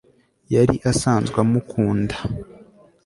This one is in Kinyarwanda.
yari asanzwe amukunda